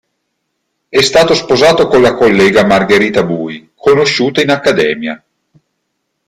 È stato sposato con la collega Margherita Buy, conosciuta in accademia.